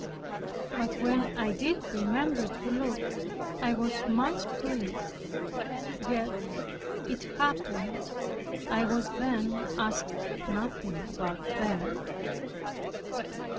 But when I did remember to look, I was much pleased. Yet it happened I was then asked nothing about them.